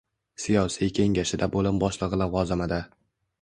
siyosiy kengashida bo‘lim boshlig‘i lavozimida